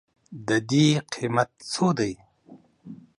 د دې قیمت څو دی؟